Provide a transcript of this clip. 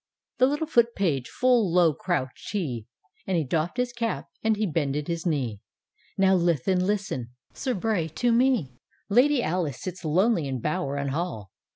The little Foot page full low crouch 'd he, And he doff'd his cap, and he bended his knee, " Now lithe and listen, Sir Bray, to me: Lady Alice sits lonely in bower and hall.